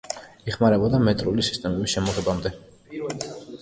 იხმარებოდა მეტრული სისტემის შემოღებამდე.